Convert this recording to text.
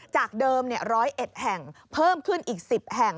จากเดิม๑๐๑แห่งเพิ่มขึ้นอีก๑๐แห่ง